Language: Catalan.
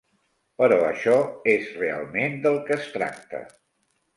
Però això és realment del que es tracta.